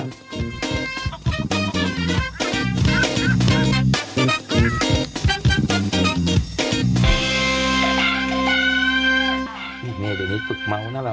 นี่เดี๋ยวนี้ฝึกเมาส์นะเรา